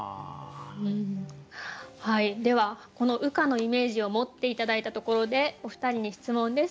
ではこの羽化のイメージを持って頂いたところでお二人に質問です。